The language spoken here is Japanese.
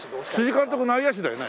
監督内野手だよね？